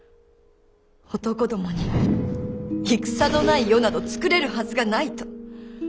男どもに戦のない世など作れるはずがないと。